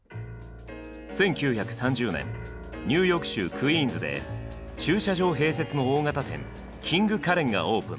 １９３０年ニューヨーク州クイーンズで駐車場併設の大型店「キング・カレン」がオープン。